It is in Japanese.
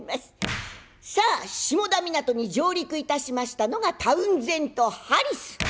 さあ下田港に上陸いたしましたのがタウンゼント・ハリス。